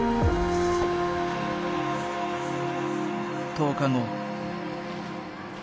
１０日後。